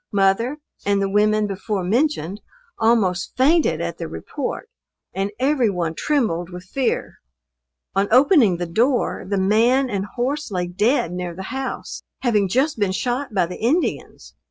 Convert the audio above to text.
Mother and the women before mentioned, almost fainted at the report, and every one trembled with fear. On opening the door, the man and horse lay dead near the house, having just been shot by the Indians.